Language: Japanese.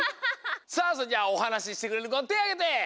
さあそれじゃあおはなししてくれるこてあげて！